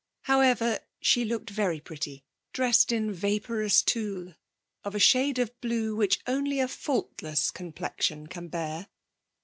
However, she looked very pretty, dressed in vaporous tulle of a shade of blue which only a faultless complexion can bear.